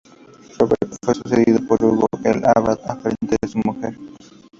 Roberto fue sucedido por Hugo el Abad, pariente de su mujer.